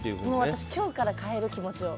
私、今日から変える気持ちを。